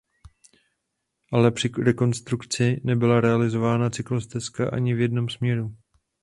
Ale při rekonstrukci nebyla realizována cyklostezka ani v jednom směru.